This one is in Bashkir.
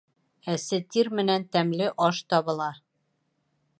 Әсе тир менән тәмле аш табыла.